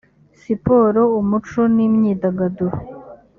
siporo umuco n imyidagaduro